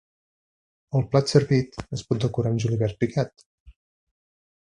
El plat servit es pot decorar amb julivert picat.